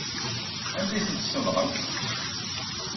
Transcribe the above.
Anda ay tent-tessunɣemt?